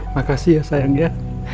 makasih ya sayang ya